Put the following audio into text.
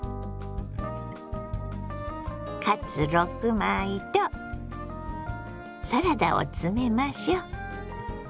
カツ６枚とサラダを詰めましょ。